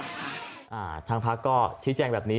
ทางพลังประชารัฐก็ชิดแจ้งแบบนี้